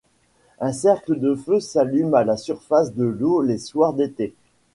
Un cercle de feu s'allume à la surface de l'eau les soirs d'été.